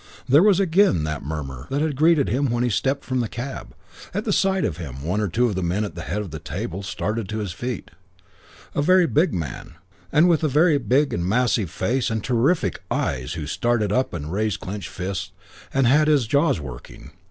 There was again that murmur that had greeted him when he stepped from the cab. At the sight of him one of the two men at the head of the table started to his feet. A very big man, and with a very big and massive face and terrific eyes who started up and raised clenched fists and had his jaws working.